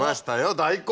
大根。